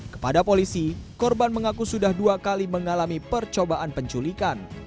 kepada polisi korban mengaku sudah dua kali mengalami percobaan penculikan